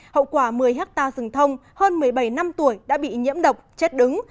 hậu quả một mươi hectare rừng thông hơn một mươi bảy năm tuổi đã bị nhiễm độc chết đứng